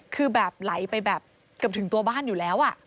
คือแบบไหลไปแบบเกือบถึงตัวบ้านอยู่แล้ว